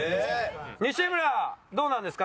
西村どうなんですか？